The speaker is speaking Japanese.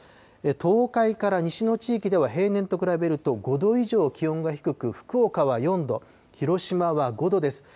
東海から西の地域では平年と比べると５度以上、気温が低く、福岡は４度、広島は５度です。